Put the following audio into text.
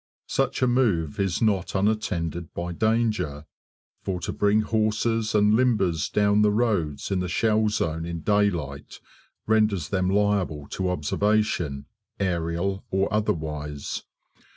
Such a move is not unattended by danger, for to bring horses and limbers down the roads in the shell zone in daylight renders them liable to observation, aerial or otherwise.